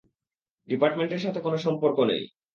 ডিপার্টমেন্টের সাথে কোনো সম্পর্ক নেই।